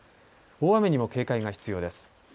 大雨にも警戒が必要です。